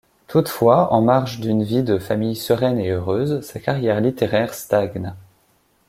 Toutefois, en marge d'une vie de famille sereine et heureuse, sa carrière littéraire stagne.